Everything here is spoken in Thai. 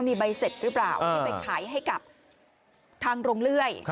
มีใบเสร็จหรือเปล่าที่ไปขายให้กับทางโรงเลื่อย